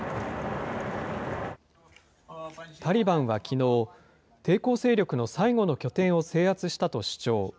タリバンはきのう、抵抗勢力の最後の拠点を制圧したと主張。